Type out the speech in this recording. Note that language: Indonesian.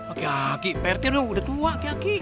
aki aki pak rt udah tua aki aki